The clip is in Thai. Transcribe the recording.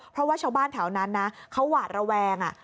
เพราะว่าชาวบ้านแถวนั้นนะเขาหวาดระแวง